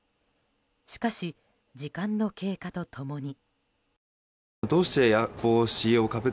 しかし、時間の経過と共に。